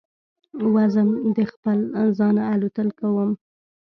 وزم د خپل ځانه الوتل کوم